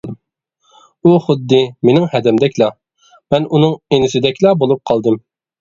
ئۇ خۇددى مىنىڭ ھەدەمدەكلا، مەن ئۇنىڭ ئىنىسىدەكلا بولۇپ قالدىم.